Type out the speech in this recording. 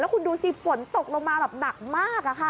แล้วคุณดูสิสนตกลงมาหนักมากค่ะ